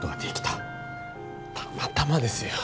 たまたまですよ。